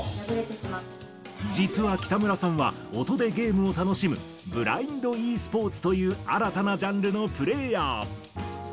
実は北村さんは、音でゲームを楽しむブラインドｅスポーツという新たなジャンルのプレーヤー。